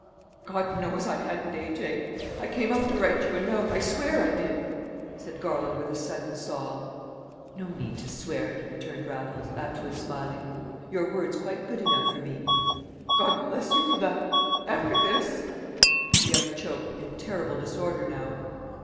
"God knows I hadn't, A. J.! I came up to write you a note, I swear I did," said Garland with a sudden sob. "No need to swear it," returned Raffles, actually smiling. "Your word's quite good enough for me." "God bless you for that, after this!" the other choked, in terrible disorder now.